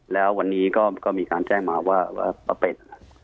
แล้ววันนี้ก็มีการแจ้งมาว่าป้าเป็ด